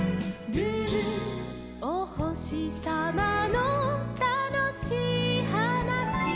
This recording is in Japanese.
「おほしさまのたのしいはなし」